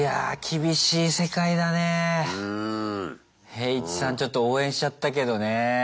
ヘーイチさんちょっと応援しちゃったけどね。